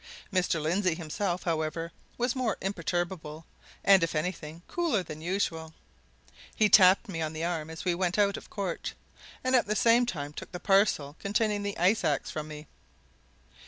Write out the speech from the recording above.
Mr. Lindsey himself, however, was more imperturbable and, if anything, cooler than usual. He tapped me on the arm as we went out of court, and at the same time took the parcel containing the ice ax from me.